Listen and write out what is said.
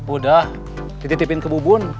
udah dititipin ke bubun